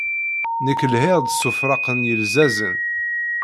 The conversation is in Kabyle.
Nekk lhiɣ-d s ufraq n yilzazen.